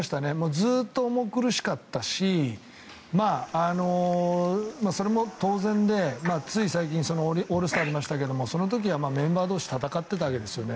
ずっと重苦しかったしそれも当然でつい最近、オールスターがありましたけどその時はメンバー同士戦っていたわけですよね。